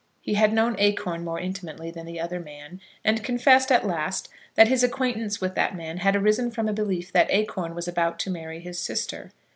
He had known Acorn more intimately than the other man, and confessed at last that his acquaintance with that man had arisen from a belief that Acorn was about to marry his sister.